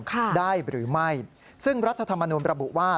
ได้หรือไม่ซึ่งรัฐธรรมนุนประบุว่า